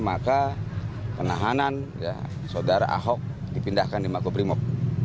maka penahanan saudara ahok dipindahkan di makobrimob